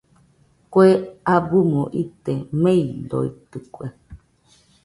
Kue abɨmo ite meidoitɨkue.